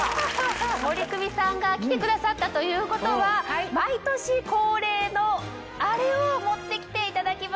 森クミさんが来てくださったということは毎年恒例のあれを持って来ていただきました。